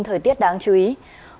thời tiết đáng chú ý của quý vị và các bạn